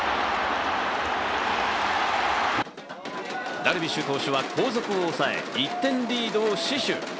ダルビッシュ投手は後続を抑え、１点リードを死守。